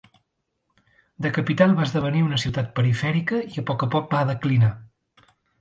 De capital va esdevenir una ciutat perifèrica i a poc a poc va declinar.